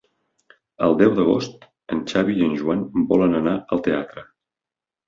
El deu d'agost en Xavi i en Joan volen anar al teatre.